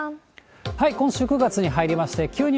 今週９月に入りまして、急に